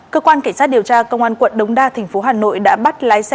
cơ quan cảnh sát điều tra công an quận đống đa tp hà nội đã bắt lái xe